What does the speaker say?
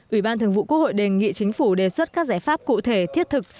ủy ban thường vụ quốc hội đề nghị chính phủ đề xuất các giải pháp cụ thể thiết thực